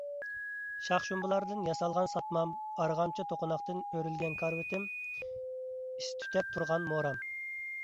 شاخ - شۇمبىلاردىن ياسالغان ساتمام، ئارغامچا - توقۇناقتىن ئۆرۈلگەن كارىۋىتىم، ئىس تۈتەپ تۇرغان مورام